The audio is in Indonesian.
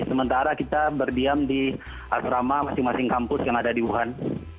sementara kita berdiam di asrama masing masing kampus yang ada di wuhan